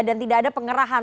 dan tidak ada pengerahan